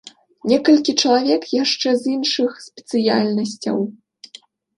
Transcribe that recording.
Некалькі чалавек яшчэ з іншых спецыяльнасцяў.